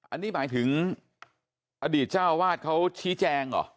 อันนี้หมายถึงอดีตเจ้าวาดเขาชี้แจงเหรอ